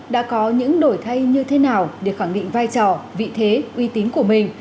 đã có những đổi thay như thế nào để khẳng định vai trò vị thế uy tín của mình